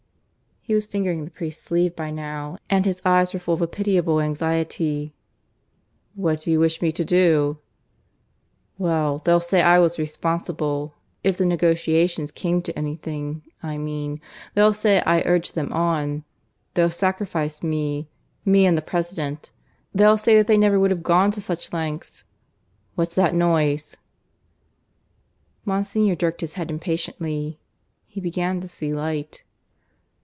He was fingering the priest's sleeve by now, and his eyes were full of a pitiable anxiety. "What do you wish me to do?" "Well, they'll say I was responsible if the negotiations come to anything, I mean. They'll say I urged them on. They'll sacrifice me me and the President. They'll say they never would have gone to such lengths What's that noise?" Monsignor jerked his head impatiently. He began to see light.